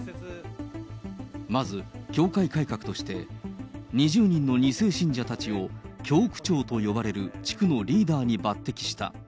まず教会改革として、２０人の２世信者たちを教区長と呼ばれる地区のリーダーに抜てきした。